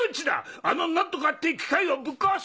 あの何とかって機械をぶっ壊す！